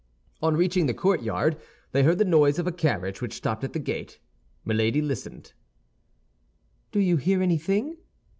On reaching the courtyard, they heard the noise of a carriage which stopped at the gate. Milady listened. "Do you hear anything?"